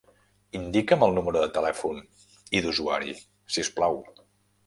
Indica'm el número de telèfon i d'usuari, si us plau.